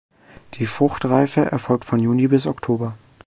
Die Fruchtreife erfolgt von Juni bis Oktober.